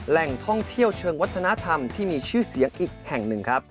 แหล่งท่องเที่ยวเชิงวัฒนธรรมที่มีชื่อเสียงอีกแห่งหนึ่งครับ